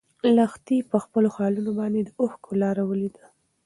لښتې په خپلو خالونو باندې د اوښکو لاره ولیده.